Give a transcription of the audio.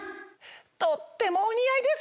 とってもお似合いです